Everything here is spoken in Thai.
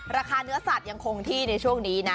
ราคาเนื้อสัตว์ยังคงที่ในช่วงนี้นะ